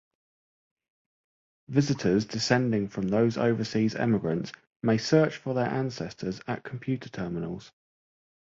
Visitors descending from those overseas emigrants may search for their ancestors at computer terminals.